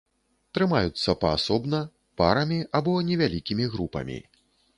Трымаюцца паасобна, парамі або невялікімі групамі.